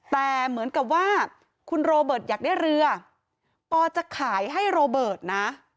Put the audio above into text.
แต่เหมือนกับว่าคุณโรเบิร์ตอยากได้เรือปอจะขายให้โรเบิร์ตนะ